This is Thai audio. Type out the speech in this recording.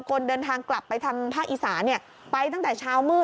คนเดินทางกลับไปทางภาคอีสานเนี่ยไปตั้งแต่เช้ามืด